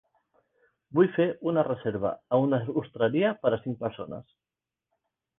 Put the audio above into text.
Vull fer una reserva en una ostreria per a cinc persones.